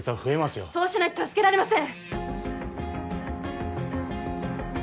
よそうしないと助けられません